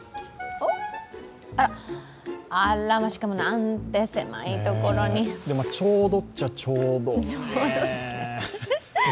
あら、しかもなんて狭いところにちょうどっちゃ、ちょうど。